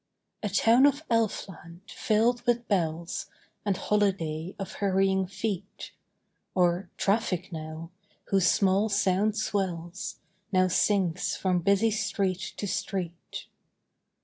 A town of Elfland filled with bells And holiday of hurrying feet: Or traffic now, whose small sound swells, Now sinks from busy street to street.